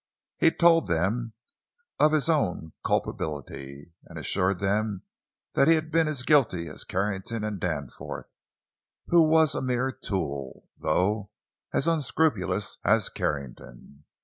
He told them of his own culpability; he assured them he had been as guilty as Carrington and Danforth—who was a mere tool, though as unscrupulous as Carrington.